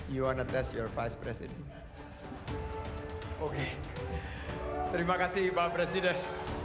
you wanna test your vice president oke terima kasih pak presiden